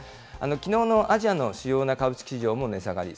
きのうのアジアの主要な株式市場も値下がり。